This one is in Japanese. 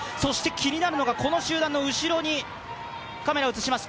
気になるのが、この集団の後ろにカメラをうつします。